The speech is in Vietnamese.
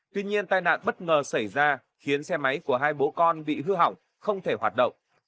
tuy nhiên tai nạn bất ngờ xảy ra khiến xe máy của hai bố con bị hư hỏng không thể hoạt động